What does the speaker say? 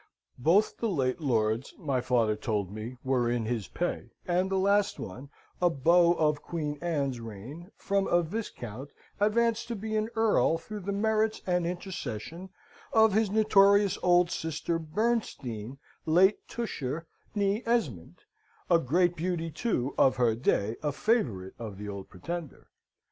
Both the late lords, my father told me, were in his pay, and the last one, a beau of Queen Anne's reign, from a viscount advanced to be an earl through the merits and intercession of his notorious old sister Bernstein, late Tusher, nee Esmond a great beauty, too, of her day, a favourite of the old Pretender.